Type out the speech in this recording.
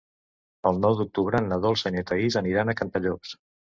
El nou d'octubre na Dolça i na Thaís aniran a Cantallops.